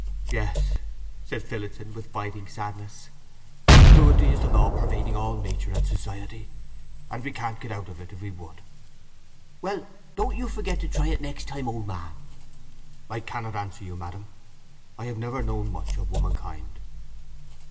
"Yes," said Phillotson, with biting sadness. "Cruelty is the law pervading all nature and society; and we can't get out of it if we would!" "Well—don't you forget to try it next time, old man." "I cannot answer you, madam. I have never known much of womankind."